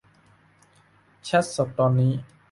แชตสดตอนนี้